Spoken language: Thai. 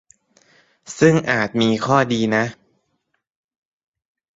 ซึ่งอาจมีข้อดีนะ